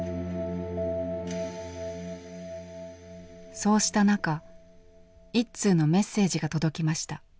そうした中一通のメッセージが届きました。